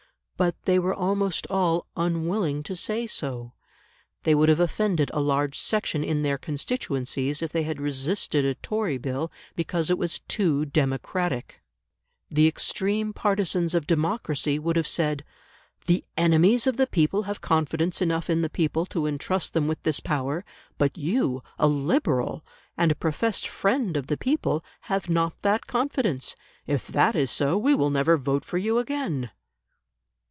But they were almost all unwilling to say so. They would have offended a large section in their constituencies if they had resisted a Tory Bill because it was too democratic; the extreme partisans of democracy would have said, "The enemies of the people have confidence enough in the people to entrust them with this power, but you, a 'Liberal,' and a professed friend of the people, have not that confidence; if that is so, we will never vote for you again".